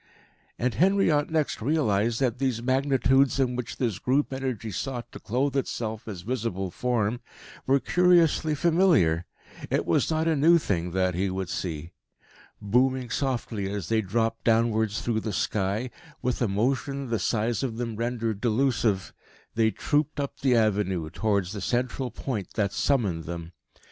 And Henriot next realised that these Magnitudes in which this group energy sought to clothe itself as visible form, were curiously familiar. It was not a new thing that he would see. Booming softly as they dropped downwards through the sky, with a motion the size of them rendered delusive, they trooped up the Avenue towards the central point that summoned them.